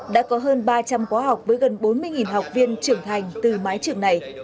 đã có hơn ba trăm linh quá học với gần bốn mươi học viên trưởng thành từ mái trường này